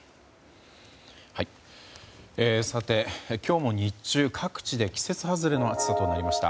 さて、今日も日中、各地で季節外れの暑さとなりました。